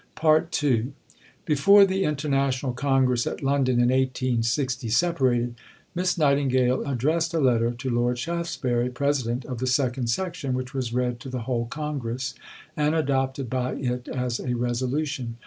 II Before the International Congress at London in 1860 separated, Miss Nightingale addressed a letter to Lord Shaftesbury (President of the Second Section), which was read to the whole Congress, and adopted by it as a resolution.